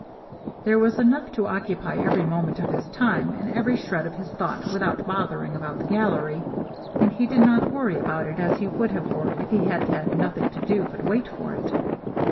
There was enough to occupy every moment of his time and every shred of his thought without bothering about the gallery, and he did not worry about it as he would have worried if he had had nothing to do but wait for it.